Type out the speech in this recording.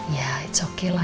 ya it's okay lah